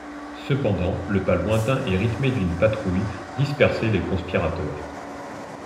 Cependant le pas lointain et rythmé d'une patrouille dispersait les conspirateurs.